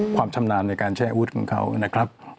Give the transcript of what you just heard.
ความชำนาญในการใช้อาวุธของเขานะครับ